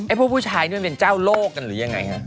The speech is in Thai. พวกผู้ชายนี่มันเป็นเจ้าโลกกันหรือยังไงฮะ